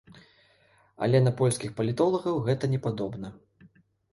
Але на польскіх палітолагаў гэта не падобна.